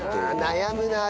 悩むなあ。